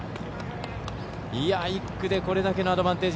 １区でこれだけのアドバンテージ。